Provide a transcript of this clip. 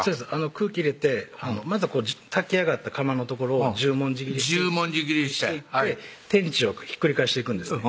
空気入れてまず炊き上がった釜の所を十文字切りして十文字切りして天地をひっくり返していくんですね